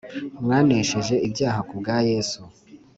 mwanesheje ibyaha kubwa yesu